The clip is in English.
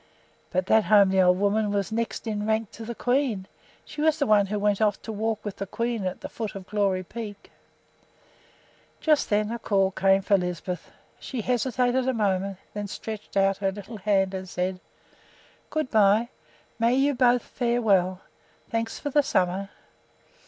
"But that homely old woman was next in rank to the queen. She was the one who went off to walk with the queen at the foot of Glory Peak." Just then came a call for Lisbeth. She hesitated a moment, then stretched out her little hand and said: "Good by. May you both fare well. Thanks for this summer."